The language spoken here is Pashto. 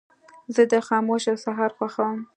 زه د خاموشو سهارو خوښوم.